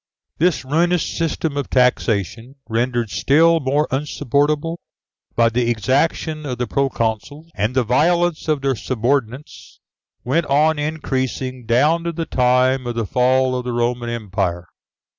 This ruinous system of taxation, rendered still more insupportable by the exactions of the proconsuls, and the violence of their subordinates, went on increasing down to the time of the fall of the Roman Empire.